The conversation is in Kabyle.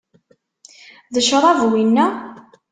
D ccṛab wina?